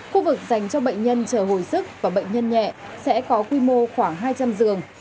khu vực dành cho bệnh nhân chờ hồi sức và bệnh nhân nhẹ sẽ có quy mô khoảng hai trăm linh giường